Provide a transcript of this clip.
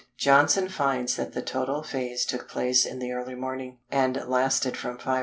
Johnson finds that the total phase took place in the early morning, and lasted from 5h.